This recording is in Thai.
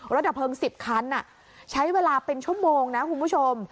ดับเพลิง๑๐คันใช้เวลาเป็นชั่วโมงนะคุณผู้ชม